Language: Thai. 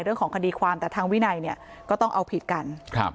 เรื่องของคดีความแต่ทางวินัยเนี่ยก็ต้องเอาผิดกันครับ